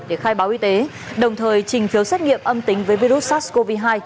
để khai báo y tế đồng thời trình phiếu xét nghiệm âm tính với virus sars cov hai